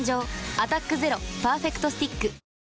「アタック ＺＥＲＯ パーフェクトスティック」